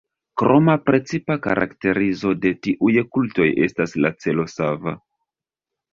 Kroma precipa karakterizo de tiuj kultoj estas la celo sava.